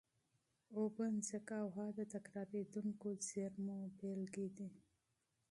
اوبه، ځمکه او هوا د تکرارېدونکو زېرمونو مثالونه دي.